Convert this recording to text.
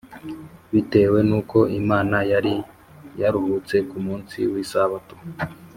bitewe n’uko imana yari yaruhutse ku munsi w’isabato,